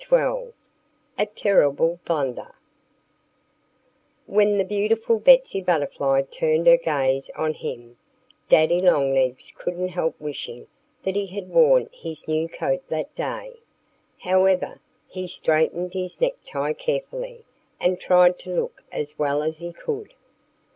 XII A TERRIBLE BLUNDER WHEN the beautiful Betsy Butterfly turned her gaze on him, Daddy Longlegs couldn't help wishing that he had worn his new coat that day. However, he straightened his necktie carefully and tried to look as well as he could.